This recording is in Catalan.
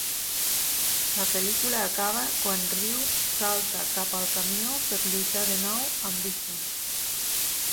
La pel·lícula acaba quan Ryu salta cap al camió per lluitar de nou amb Bison.